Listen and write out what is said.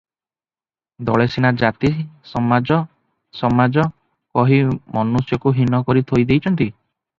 ଦଳେ ସିନା ଜାତି, ସମାଜ ସମାଜ, କହି ମନୁଷ୍ୟକୁ ହୀନ କରି ଥୋଇ ଦେଇଚନ୍ତି